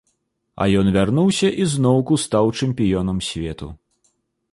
А ён вярнуўся і зноўку стаў чэмпіёнам свету.